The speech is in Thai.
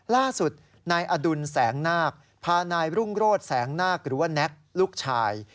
ล่าสุดนายอดุลแสงนาคพานายรุ่งโรศแสงนาคหรือว่าแน็กลูกชาย